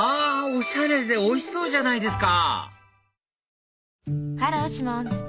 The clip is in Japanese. おしゃれでおいしそうじゃないですか